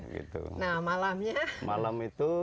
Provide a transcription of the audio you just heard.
nah malamnya malam itu